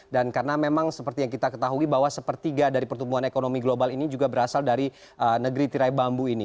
dan karena memang seperti yang kita ketahui bahwa sepertiga dari pertumbuhan ekonomi global ini juga berasal dari negeri tirai bambu ini